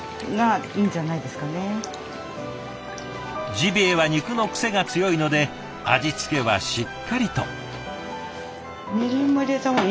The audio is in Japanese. ジビエは肉の癖が強いので味付けはしっかりと。